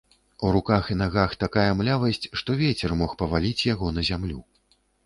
У руках і нагах такая млявасць, што вецер мог паваліць яго на зямлю.